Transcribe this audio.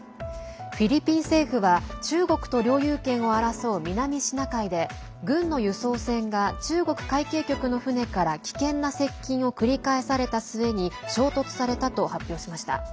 フィリピン政府は中国と領有権を争う南シナ海で軍の輸送船が中国海警局の船から危険な接近を繰り返された末に衝突されたと発表しました。